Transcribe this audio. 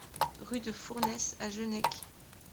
Rue de Fournes à Genech